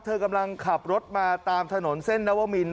เธอกำลังขับรถมาตามถนนเส้นนวมิน